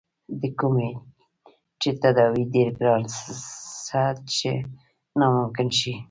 د کومې چې تداوے ډېر ګران څۀ چې ناممکن شي